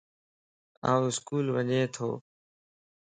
آن اسڪول وڃين تو